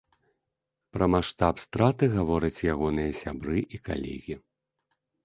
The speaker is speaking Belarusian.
Пра маштаб страты гавораць ягоныя сябры і калегі.